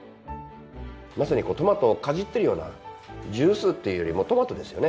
まさにトマトをかじってるようなジュースっていうよりトマトですよね。